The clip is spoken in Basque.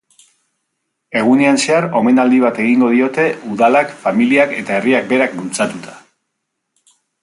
Egunean zehar omenaldi bat egingo diote udalak, familiak eta herriak berak bultzatuta.